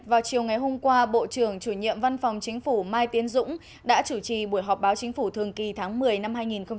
vào chiều ngày hôm qua bộ trưởng chủ nhiệm văn phòng chính phủ mai tiến dũng đã chủ trì buổi họp báo chính phủ thường kỳ tháng một mươi năm hai nghìn một mươi chín